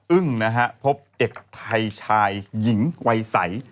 อึ้งนะฮะพบเด็กไทยชายหญิงวัยใส